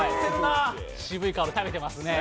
渋い顔で食べてますね。